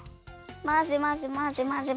まぜまぜまぜまぜ。